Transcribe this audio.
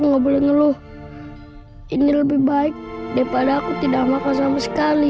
nggak boleh ngeluh ini lebih baik daripada aku tidak makan sama sekali